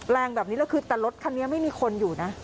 แรงแบบนี้แล้วคือแต่รถคันนี้ไม่มีคนอยู่นะ